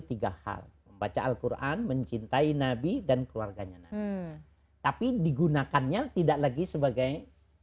tiga hal membaca alquran mencintai nabi dan keluarganya tapi digunakannya tidak lagi sebagai